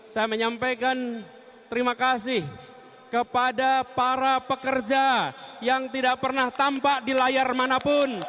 saya menyampaikan terima kasih kepada para pekerja yang tidak pernah tampak di layar manapun